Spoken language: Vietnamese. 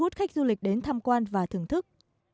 các du lịch đến tham quan và thưởng thức